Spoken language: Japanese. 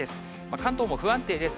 関東も不安定です。